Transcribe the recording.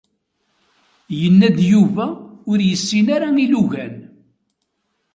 Yenna-d Yuba ur yessin ara ilugan.